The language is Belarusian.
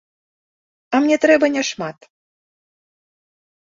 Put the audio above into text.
А мне трэба няшмат.